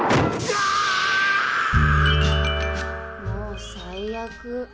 もう最悪。